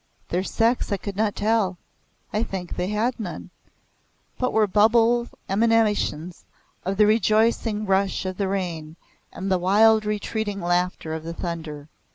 Their sex I could not tell I think they had none, but were bubble emanations of the rejoicing rush of the rain and the wild retreating laughter of the thunder.